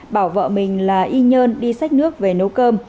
bảo vợ mình là y nhân đi xách nước về nấu cơm